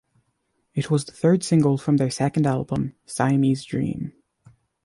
It was the third single from their second album, "Siamese Dream".